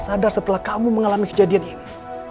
sadar setelah kamu mengalami kejadian ini